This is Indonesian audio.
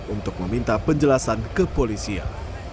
untuk meminta penjelasan ke polisian